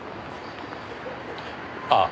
ああ。